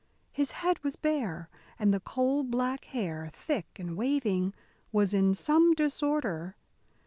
His head was bare, and the coal black hair, thick and waving, was in some disorder.